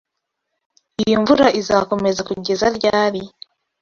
Iyi mvura izakomeza kugeza ryari?